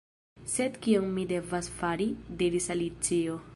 "Sed kion mi devas fari?" diris Alicio.